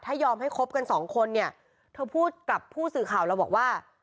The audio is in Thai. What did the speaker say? ถ้ายอมให้คบกันสองคนเนี่ยเธอพูดกับผู้สื่อข่าวเราบอกว่า